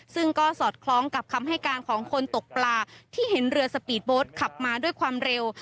ซึ่งก็สอดคล้องกับคำให้การของคนตกปลาที่เห็นเรือสปีดโบสต์ขับมาด้วยความเร็ว